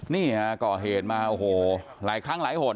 นี่ฮะก่อเหตุมาโอ้โหหลายครั้งหลายหน